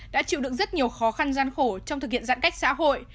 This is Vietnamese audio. đã chịu được rất nhiều khó khăn gian khổ trong thực hiện giãn cách xã hội